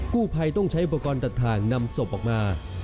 กู้ภัยต้องใช้อุปกรณ์ตัดทางนำศพออกมา